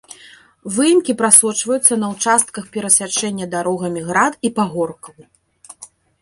Выемкі прасочваюцца на участках перасячэння дарогамі град і пагоркаў.